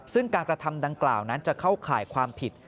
ซึ่งการกระทำดังกล่าวนั้นจะเข้าข่ายความผิด